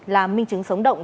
là minh chứng sống động